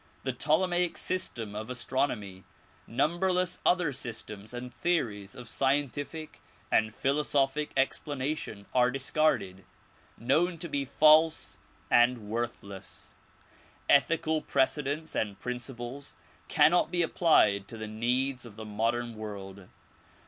The ptolemaic system of astronomy, number less other systems and theories of scientific and philosophical ex planation are discarded, known to be false and worthless. Ethical precedents and principles cannot be applied to the needs of the modern world.